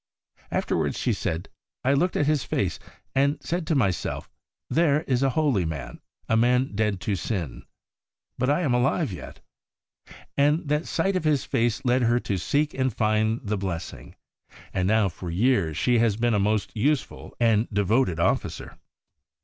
Afterwards she said, ' I looked at his face, and said to myself, "There is a holy man, a man dead to sin. But I am alive yet." ' And that sight of his face led her to seek and find the blessing, and now, for years she has been a most useful and 48 THE WAY OF HOLINESS devoted Officer.